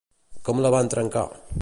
Com la van trencar?